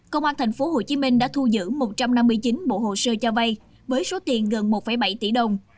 công an tp hcm đã thu giữ một trăm năm mươi chín bộ hồ sơ cho vay với số tiền gần một bảy tỷ đồng